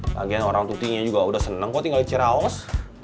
lagian orang tutinya juga udah seneng kok tinggal di cirawas